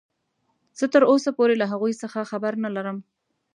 زه تراوسه پورې له هغوې څخه خبر نلرم.